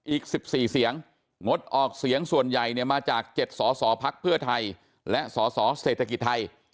อีก๑๔เสียงงดออกเสียงส่วนใหญ่เนี่ยมาจาก๗สอสอพักเพื่อไทยและสสเศรษฐกิจไทย